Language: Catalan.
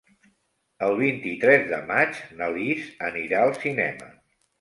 El vint-i-tres de maig na Lis anirà al cinema.